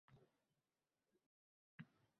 o'nta zamonaviy ko‘prik quriladi.